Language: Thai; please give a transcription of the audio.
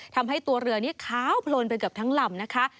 ทำให้ตัวเรือนี้ขาวโพลนไปเกือบทั้งลำนะคะ